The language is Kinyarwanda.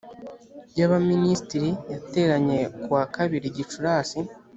y abaminisitiri yateranye ku wa kabiri gicurasi